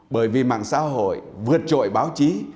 bởi vì mạng xã hội vượt trội báo chí